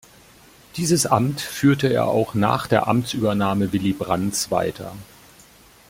Dieses Amt führte er auch nach der Amtsübernahme Willy Brandts weiter.